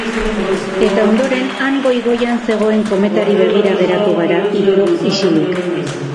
Eta ondoren han goi goian zegoen kometari begira geratu gara, hirurok, isilik